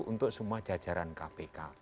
untuk semua jajaran kpk